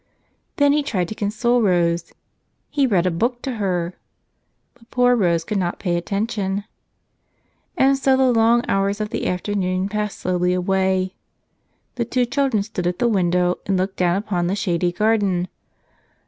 Then he tried to console Rose. He read a book to her; but poor Rose could not pay atten¬ tion. And so the long hours of the afternoon passed slowly away. The two children stood at the window and looked down upon the shady garden.